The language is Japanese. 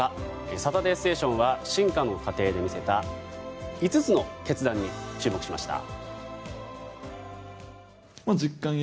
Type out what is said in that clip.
「サタデーステーション」は進化の過程で見せた５つの決断に注目しました。